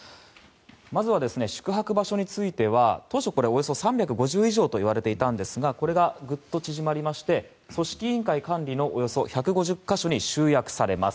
まずは宿泊場所については当初、およそ３５０以上といわれていたんですがこれがグッと縮まりまして組織委員会管理のおよそ１５０か所に集約されます。